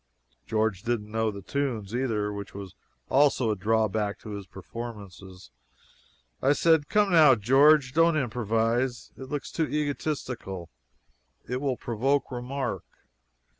George didn't know the tunes, either, which was also a drawback to his performances. I said: "Come, now, George, don't improvise. It looks too egotistical. It will provoke remark.